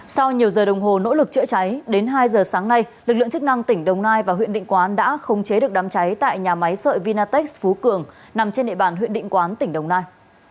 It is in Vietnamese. sau nhiều giờ đồng hồ nỗ lực chữa cháy đến hai giờ sáng nay lực lượng chức năng tỉnh đồng nai và huyện định quán đã khống chế được đám cháy tại nhà máy sợi vinatech phú cường nằm trên địa bàn huyện định quán tỉnh đồng nai